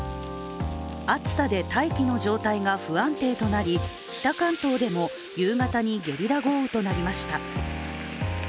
暑さで大気の状態が不安定となり北関東でも夕方にゲリラ雷雨となりました。